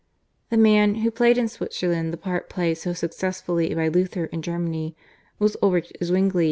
The man, who played in Switzerland the part played so successfully by Luther in Germany, was Ulrich Zwingli.